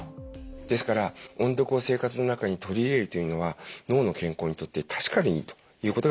ですから音読を生活の中に取り入れるというのは脳の健康にとって確かにいいということが分かっています。